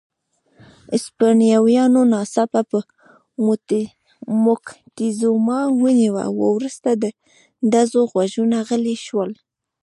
هسپانویانو ناڅاپه موکتیزوما ونیوه، وروسته د ډزو غږونه غلي شول.